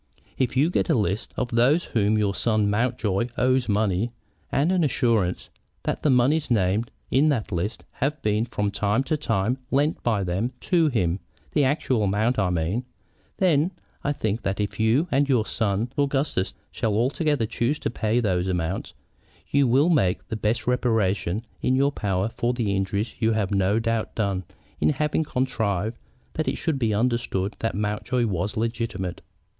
"If you get a list of those to whom your son Mountjoy owes money, and an assurance that the moneys named in that list have been from time to time lent by them to him, the actual amount, I mean, then I think that if you and your son Augustus shall together choose to pay those amounts, you will make the best reparation in your power for the injury you have no doubt done in having contrived that it should be understood that Mountjoy was legitimate."